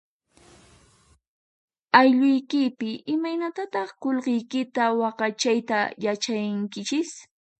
Aylluykipi, imaynatataq qulqiykita waqaychata yachayninkichis?.